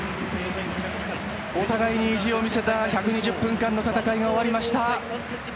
お互いに意地を見せた１２０分間の戦いが終わりました。